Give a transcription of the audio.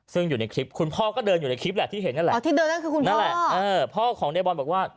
ซึ่งอยู่ในคลิปคุณพ่อก็เดินอยู่ในคลิปแหละที่เห็นนั่นแหละ